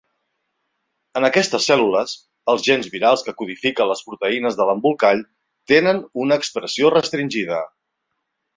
En aquestes cèl·lules, els gens virals que codifiquen les proteïnes de l'embolcall tenen una expressió restringida.